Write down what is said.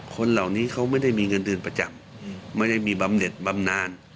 คนเหล่านี้เขาไม่ได้มีเงินเดือนประจำไม่ได้มีบำเน็ตบำนาน